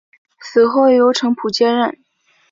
死后由程普接替。